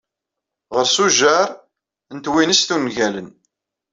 Ɣers ujar n twinest ungalen.